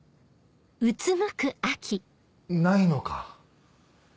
ないのか。